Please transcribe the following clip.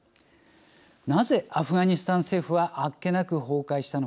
なぜアフガニスタン政府はあっけなく崩壊したのか。